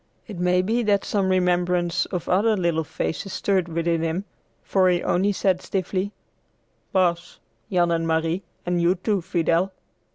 It may be that some remembrance of other little faces stirred within him, for he only said stiffly, "Pass, Jan and Marie, and you, too, Fidel."